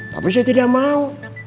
tapi saya tidak mau